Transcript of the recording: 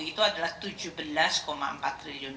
itu adalah rp tujuh belas empat triliun